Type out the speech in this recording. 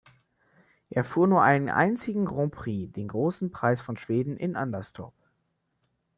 Er fuhr nur einen einzigen Grand Prix, den Großen Preis von Schweden in Anderstorp.